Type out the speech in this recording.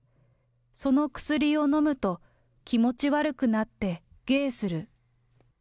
その薬を飲むと気持ち悪くなってげーする。